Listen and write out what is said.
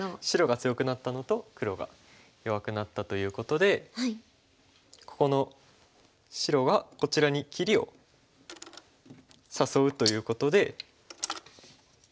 白が強くなったのと黒が弱くなったということでこの白がこちらに切りを誘うということで。